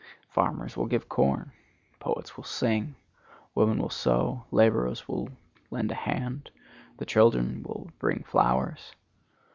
Farmers will give corn; poets will sing; women will sew; laborers will lend a hand; the children will bring flowers.